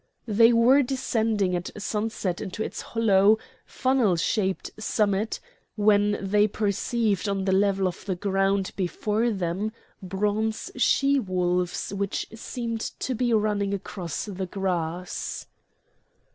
They were descending at sunset into its hollow, funnel shaped summit, when they perceived on the level of the ground before them bronze she wolves which seemed to be running across the grass.